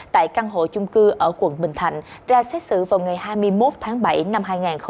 tại căn hộ chung cư ở quận bình thạnh ra xét xử vào ngày hai mươi một tháng bảy năm hai nghìn hai mươi ba